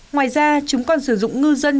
ngoài ra chúng còn sử dụng ngư dân